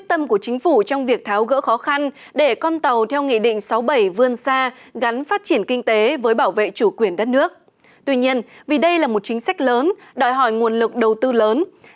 email nông nghiệpchuyểnđộngacomgmail com